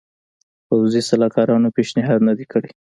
پوځي سلاکارانو پېشنهاد نه دی کړی.